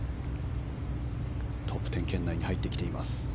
トップ１０圏内に入ってきています。